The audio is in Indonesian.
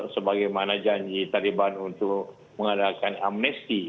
sebagaimana janji taliban untuk mengadakan amnesti